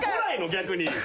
逆に。